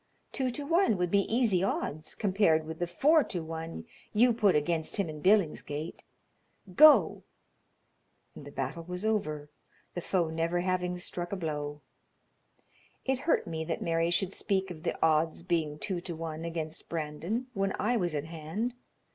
Two to one would be easy odds compared with the four to one you put against him in Billingsgate. Go!" And the battle was over, the foe never having struck a blow. It hurt me that Mary should speak of the odds being two to one against Brandon when I was at hand.